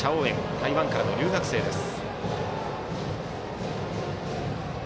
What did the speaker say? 台湾からの留学生です。